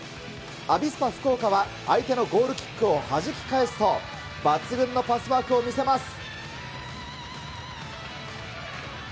アビスパ福岡は、相手のゴールキックをはじき返すと、抜群のパスワークを見せます。